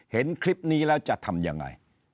เห็นคลิปนี้แล้วจะทำยังไง